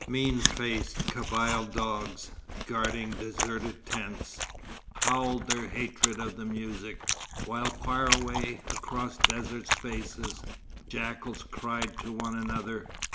Mean faced Kabyle dogs, guarding deserted tents, howled their hatred of the music, while far away, across desert spaces, jackals cried to one another.